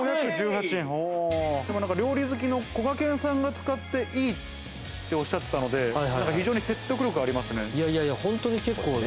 料理好きの、こがけんさんが使って、いいっておっしゃってたので、非常に説得力ありますね。